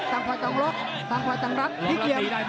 ต่างฝ่ายต่างล็อคต่างฝ่ายต่างรัก